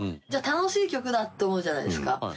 じゃあ、楽しい曲だって思うじゃないですか。